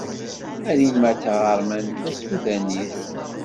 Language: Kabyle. Rima d taɣerman tasudanit.